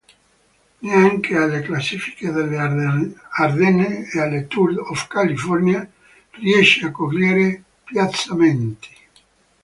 Neanche alle classiche delle Ardenne e al Tour of California riesce a cogliere piazzamenti.